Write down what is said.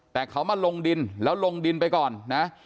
แต่เขามาลงดินแล้วลงดินไปก่อนนะ